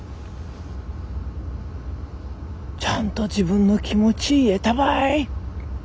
ちゃんと自分の気持ち言えたばい。